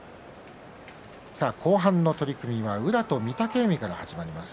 後半の取組は宇良と御嶽海から始まります。